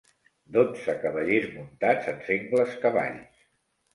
Dotze cavallers muntats en sengles cavalls.